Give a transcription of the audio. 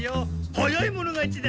早い者勝ちだ！